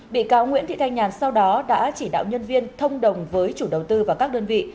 bị cáo nguyễn thị thanh nhàn sau đó đã chỉ đạo nhân viên thông đồng với chủ đầu tư và các đơn vị